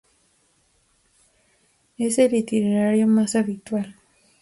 Es el itinerario más habitual.